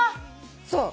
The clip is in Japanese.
そう。